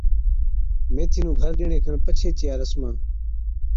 ميٿِي نُون گھر ڏِيئڻي کن پڇي چِيا رسمان،